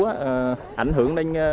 và ảnh hưởng đến lúa